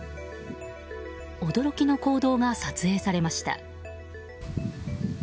驚きの行動が撮影されました。